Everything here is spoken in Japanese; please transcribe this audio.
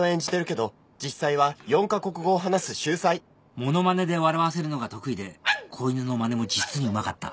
物まねで笑わせるのが得意で子犬のまねも実にうまかった。